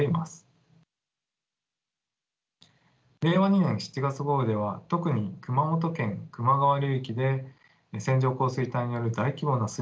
令和２年７月豪雨では特に熊本県球磨川流域で線状降水帯よる大規模な水害が発生しました。